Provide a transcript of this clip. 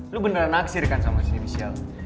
lo beneran naksir kan sama si michelle